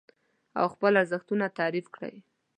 او خپل ارزښتونه تعريف کړئ.